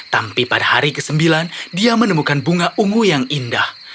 tapi pada hari ke sembilan dia menemukan bunga ungu yang indah